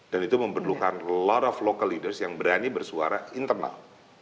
dan itu memerlukan lot of local leaders yang berani bersuara internal